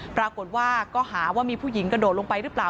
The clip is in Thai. ปรากฏว่าก็หาว่ามีผู้หญิงกระโดดลงไปหรือเปล่า